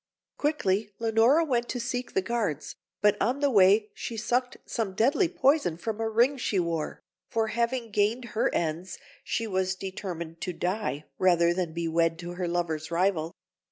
Quickly Leonora went to seek the guards, but on the way she sucked some deadly poison from a ring she wore, for having gained her ends, she was determined to die rather than be wed to her lover's rival.